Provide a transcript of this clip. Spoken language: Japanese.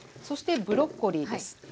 そしてブロッコリーです。